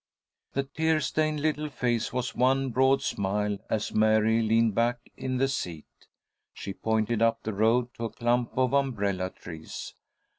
The tear stained little face was one broad smile as Mary leaned back in the seat. She pointed up the road to a clump of umbrella trees.